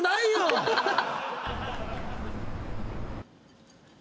ハハハハ！